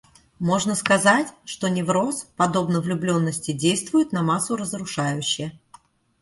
Можно сказать, что невроз, подобно влюбленности, действует на массу разрушающе.